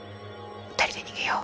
２人で逃げよ。